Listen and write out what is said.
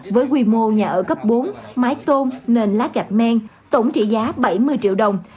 với quy mô nhà ở cấp bốn mái tôn nền lá gạch men tổng trị giá bảy mươi triệu đồng